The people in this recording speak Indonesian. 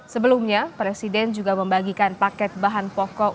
sebelumnya presiden juga membagikan paket bahan pokok